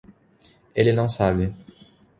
Ele não sabe